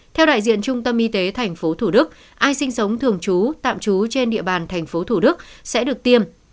theo đại diện trung tâm y tế tp hcm ai sinh sống thường trú tạm trú trên địa bàn tp hcm sẽ được tiêm